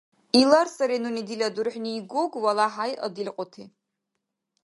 Илар сари нуни дила дурхӀни Гуг ва ЛахӀяй адилкьути.